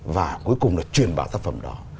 và cuối cùng là truyền bảo tác phẩm đó